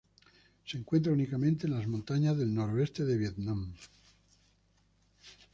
Se encuentra únicamente en las montañas del noroeste de Vietnam.